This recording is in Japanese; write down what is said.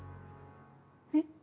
えっ。